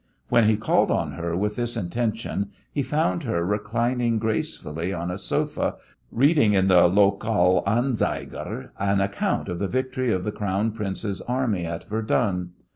When he called on her with this intention he found her reclining gracefully on a sofa reading, in the Lokalanzeiger, an account of the victory of the Crown Prince's Army at Verdun.